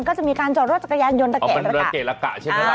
ก็จะมีการจอดรถจักรยานยนต์ระเกะระกะ